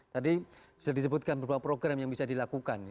tadi sudah disebutkan beberapa program yang bisa dilakukan